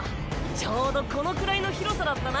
ちょうどこのくらいの広さだったな。